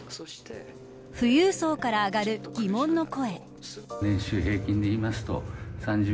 富裕層から上がる疑問の声。